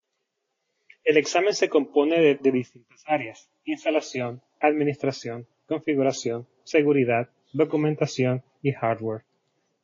El examen se compone de distintas áreas: instalación, administración, configuración, seguridad, documentación y hardware.